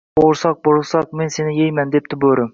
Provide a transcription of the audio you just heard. — Bo’g’irsoq, bo’g’irsoq, men seni yeyman, — debdi bo’ri